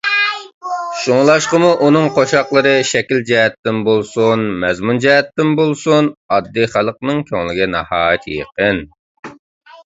شۇڭلاشقىمۇ ئۇنىڭ قوشاقلىرى شەكىل جەھەتتىن بولسۇن، مەزمۇن جەھەتتىن بولسۇن، ئاددىي خەلقنىڭ كۆڭلىگە ناھايىتى يېقىن.